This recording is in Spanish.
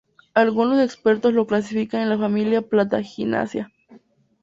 Algunos expertos lo clasifican en la familia Plantaginaceae.